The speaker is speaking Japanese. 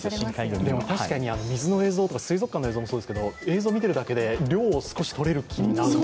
確かに水の映像とか、水族館の映像もそうですけど映像を見ているだけで涼を少しとれる気になる。